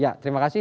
ya terima kasih